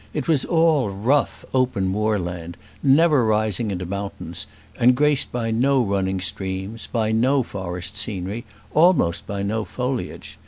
It was all rough open moorland, never rising into mountains, and graced by no running streams, by no forest scenery, almost by no foliage.